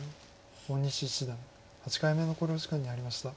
大西七段８回目の考慮時間に入りました。